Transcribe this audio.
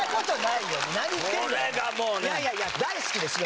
いやいやいや大好きですよ。